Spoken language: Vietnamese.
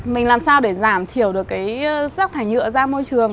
mình làm sao để giảm thiểu được cái rác thải nhựa ra môi trường